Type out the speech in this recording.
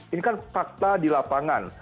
ini kan fakta di lapangan